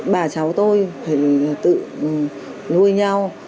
bà cháu tôi phải tự nuôi nhau